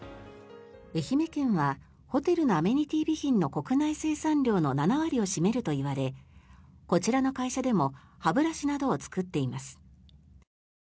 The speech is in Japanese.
愛媛県はホテルのアメニティー備品の国内生産量の７割を占めるといわれこちらの会社でも歯ブラシなどを作っています。